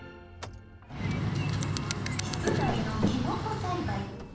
室内のキノコ栽培。